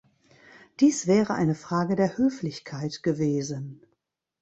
Dies wäre eine Frage der Höflichkeit gewesen.